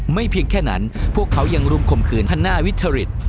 ไม่เพียงแค่นั้นพวกเขายังรุมคมคืนฮันน่าวิทเทอริต